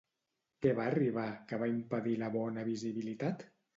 Què va arribar, que va impedir la bona visibilitat?